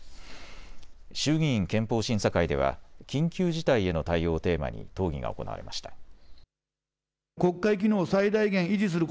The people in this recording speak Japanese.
衆議院憲法審査会では緊急事態への対応をテーマに討議が行われました。